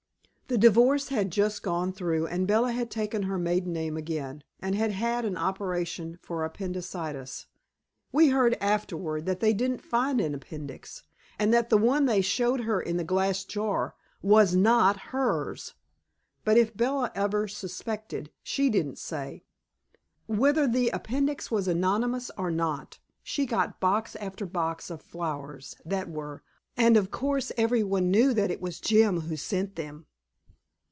The divorce had just gone through and Bella had taken her maiden name again and had had an operation for appendicitis. We heard afterward that they didn't find an appendix, and that the one they showed her in a glass jar WAS NOT HERS! But if Bella ever suspected, she didn't say. Whether the appendix was anonymous or not, she got box after box of flowers that were, and of course every one knew that it was Jim who sent them.